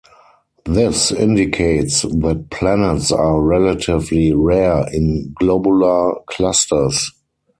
This indicates that planets are relatively rare in globular clusters.